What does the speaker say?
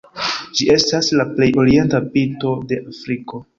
Ĝi estas la plej orienta pinto de Afriko.